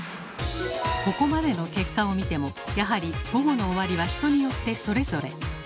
ここまでの結果を見てもやはり「午後の終わり」は人によってそれぞれ。